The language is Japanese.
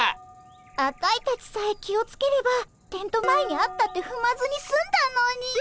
アタイたちさえ気をつければテント前にあったってふまずにすんだのに。